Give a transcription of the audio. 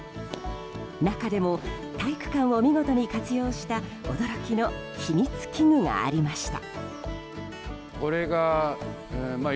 中でも体育館を見事に活用した驚きの秘密器具がありました。